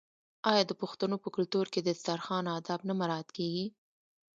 آیا د پښتنو په کلتور کې د دسترخان اداب نه مراعات کیږي؟